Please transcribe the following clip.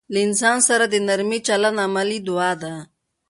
له انسان سره د نرمي چلند عملي دعا ده.